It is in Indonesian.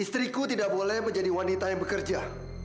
istriku tidak boleh menjadi wanita yang bekerja